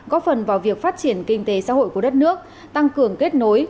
góp phần vào việc phát triển kinh tế xã hội của đất nước tăng cường kết nối